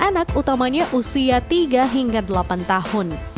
anak utamanya usia tiga hingga delapan tahun